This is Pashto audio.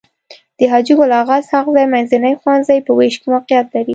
د حاجي ګل اغا اسحق زي منځنی ښوونځی په ويش کي موقعيت لري.